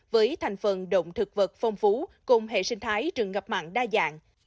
với thành phần động thực vật phong phú cùng hệ sinh thái trường ngập mặn đa dạng